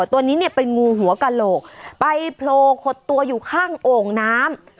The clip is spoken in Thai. ตัวนี้เนี่ยเป็นงูหัวกระโหลกไปโผล่ขดตัวอยู่ข้างโอ่งน้ำ